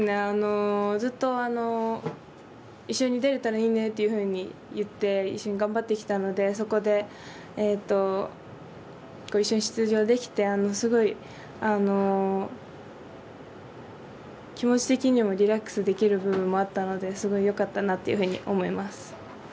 ずっと一緒に出られたらいいねというふうに言って一緒に頑張ってきたのでそこで一緒に出場できてすごい気持ち的にもリラックスできる部分もあったのですごいよかったなと思います。